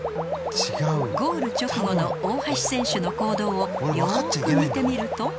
ゴール直後の大橋選手の行動をよく見てみると。